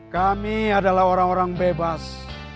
kami adalah orang orang bebas